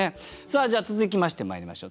じゃあ続きましてまいりましょう。